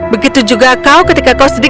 begitu juga kau ketika kau sedih